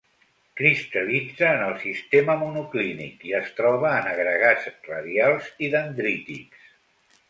Cristal·litza en el sistema monoclínic, i es troba en agregats radials i dendrítics.